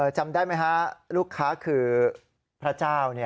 จำได้ไหมฮะลูกค้าคือพระเจ้า